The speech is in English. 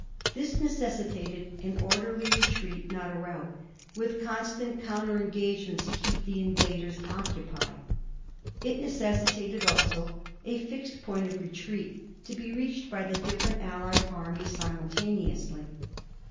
This necessitated an orderly retreat, not a rout, with constant counter engagements to keep the invaders occupied. It necessitated also a fixed point of retreat, to be reached by the different Allied armies simultaneously.